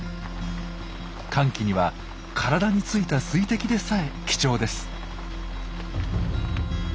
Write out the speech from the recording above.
乾季には体についた水滴でさえ貴重です。